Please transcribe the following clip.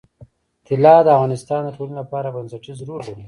طلا د افغانستان د ټولنې لپاره بنسټيز رول لري.